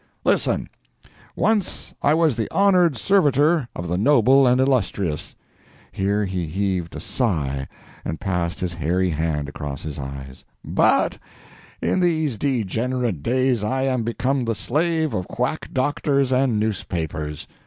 "Listen. Once I was the honoured servitor of the noble and illustrious" (here he heaved a sigh, and passed his hairy hand across his eyes) "but in these degenerate days I am become the slave of quack doctors and newspapers.